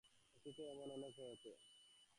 অতীতেও এমন অনেক হয়েছে।